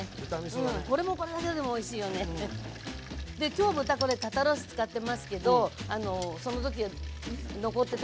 今日豚これ肩ロース使ってますけどその時残ってた。